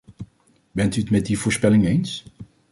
Bent u het met die voorspelling eens?